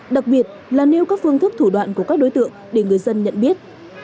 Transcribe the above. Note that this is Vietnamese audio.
đặc biệt là nêu các phương thức thủ đoạn của các đối tượng để người dân nhận biết